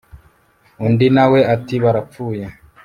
undi nawe ati barapfuye